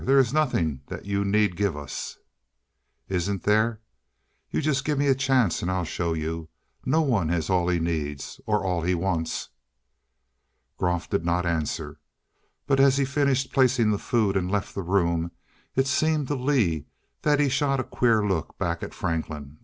There is nothing that you need give us." "Isn't there? You just give me a chance and I'll show you. No one has all he needs or all he wants." Groff did not answer. But as he finished placing the food, and left the room, it seemed to Lee that he shot a queer look back at Franklin.